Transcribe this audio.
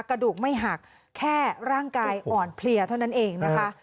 กระดูกไม่หักแค่ร่างกายอ่อนเพลียเท่านั้นเองนะคะ